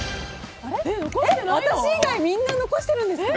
私以外みんな残してるんですね！